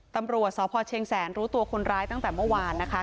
ตำรวจสพเชียงแสนรู้ตัวคนร้ายตั้งแต่เมื่อวานนะคะ